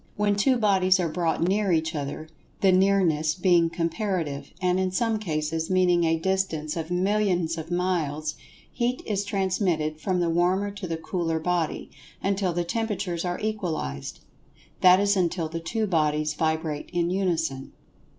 When two bodies are brought near each other—the "nearness" being comparative, and, in some cases, meaning a distance of millions of miles—Heat is transmitted from the warmer to the cooler body, until the temperatures are equalized—that is until the two bodies vibrate in unison.